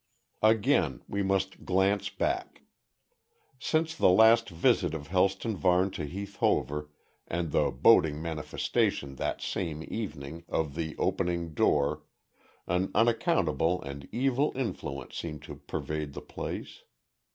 Again we must glance back. Since the last visit of Helston Varne to Heath Hover, and the boding manifestation that same evening, of the opening door, an unaccountable and evil influence seemed to pervade the place.